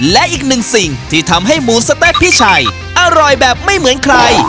และอีกหนึ่งสิ่งที่ทำให้หมูสะเต๊ะพี่ชัยอร่อยแบบไม่เหมือนใคร